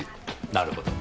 なるほど。